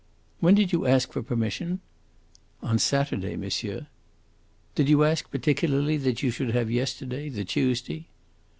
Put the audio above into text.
"When did you ask for permission?" "On Saturday, monsieur." "Did you ask particularly that you should have yesterday, the Tuesday?"